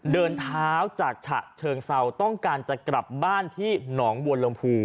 เดินเท้าจากฉะเชิงเซาต้องการจะกลับบ้านที่หนองบัวลำพู